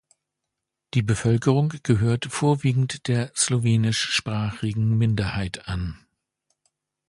Die Bevölkerung gehört vorwiegend der slowenischsprachigen Minderheit an.